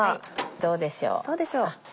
どうでしょう。